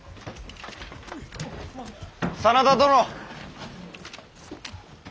真田殿！